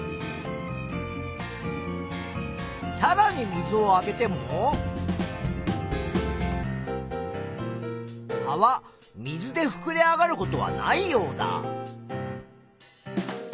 さらに水をあげても葉は水でふくれ上がることはないようだ。